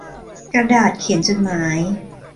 กระดาษเขียนจดหมาย